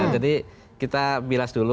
jadi kita bilas dulu